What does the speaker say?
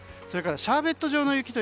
それからシャーベット状の雪。